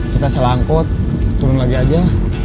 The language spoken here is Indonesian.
kita sel angkot turun lagi aja